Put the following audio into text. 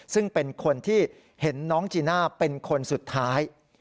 ซึ่งเป็นคนที่เห็นน้องจีน่าเป็นคนสุดท้าย